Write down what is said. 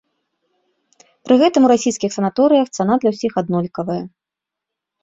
Пры гэтым у расійскіх санаторыях цана для ўсіх аднолькавая.